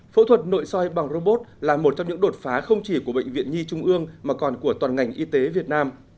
phẫu thuật nội soi bằng robot là một trong những đột phá không chỉ của bệnh viện nhi trung ương mà còn của toàn ngành y tế việt nam